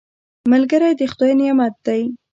ملګری د خدای نعمت دی